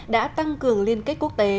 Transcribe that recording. đã tăng cường liên kết quốc tế